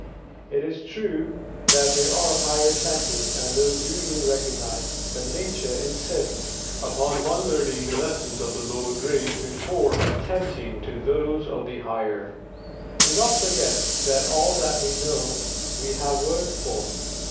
It is true that there are higher senses than those usually recognized, but Nature insists upon one learning the lessons of the lower grades before attempting those of the higher. Do not forget that all that we know we have "worked for."